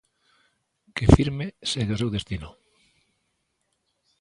Que firme segue o seu destino.